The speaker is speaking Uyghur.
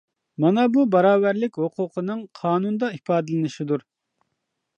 مانا بۇ باراۋەرلىك ھوقۇقىنىڭ قانۇندا ئىپادىلىنىشىدۇر.